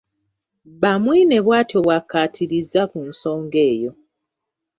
Bamwine bw'atyo bw'akkaatirizza ku nsonga eyo.